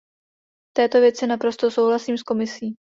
V této věci naprosto souhlasím s Komisí.